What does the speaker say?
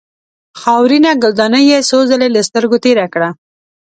خاورینه ګلدانۍ یې څو ځله له سترګو تېره کړه.